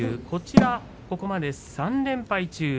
こちらはここまで３連敗中。